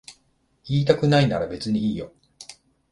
言いたくないなら別にいいよ。